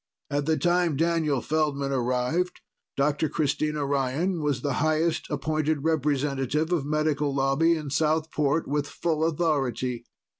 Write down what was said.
"At the time Daniel Feldman arrived, Dr. Christina Ryan was the highest appointed representative of Medical Lobby in Southport, with full authority.